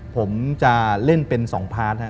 ผมจะเล่นเป็น๒พาร์ทนะครับ